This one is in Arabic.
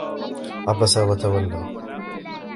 عَبَسَ وَتَوَلَّى